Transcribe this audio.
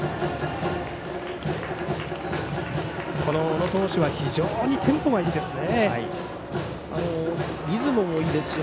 小野投手は非常にテンポがいいですね。